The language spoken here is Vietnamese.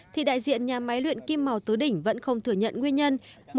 thì đại diện nhà máy luyện kim màu tứ đỉnh vẫn không thừa nhận nguyên nhân